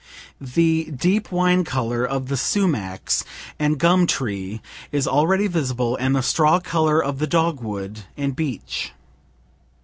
The deep wine color of the sumachs and gum treesis already visible, and the straw color of the dog wood and beech.